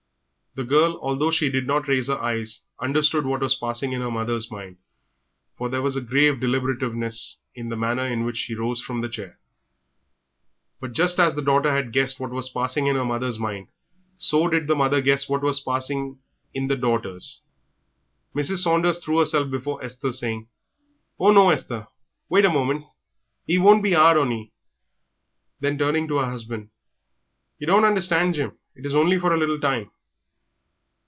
The girl, although she did not raise her eyes, understood what was passing in her mother's mind, for there was a grave deliberativeness in the manner in which she rose from the chair. But just as the daughter had guessed what was passing in the mother's mind, so did the mother guess what was passing in the daughter's. Mrs. Saunders threw herself before Esther, saying, "Oh, no, Esther, wait a moment; 'e won't be 'ard on 'ee." Then turning to her husband, "Yer don't understand, Jim. It is only for a little time."